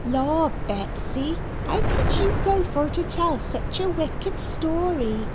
"Law, Betsy, how could you go for to tell such a wicked story!"